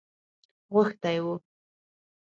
غوښتی وو.